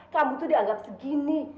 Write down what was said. kamu tuh dianggap segini